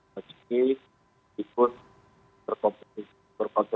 meski ikut berkontestasi pada